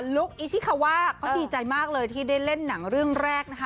อิชิคาวาเขาดีใจมากเลยที่ได้เล่นหนังเรื่องแรกนะคะ